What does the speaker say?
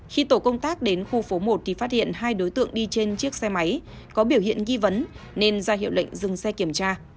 khi tổ công tác đến khu phố một thì phát hiện hai đối tượng đi trên chiếc xe máy có biểu hiện nghi vấn nên ra hiệu lệnh dừng xe kiểm tra